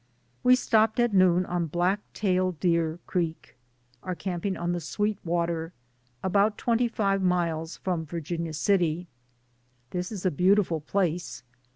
We stopped at noon on Black Tail Deer Creek. Are camping on the Sweet Water, about twenty five miles from Virginia City. This is a beautiful place.